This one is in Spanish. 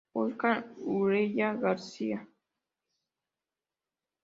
Óscar Ureña García.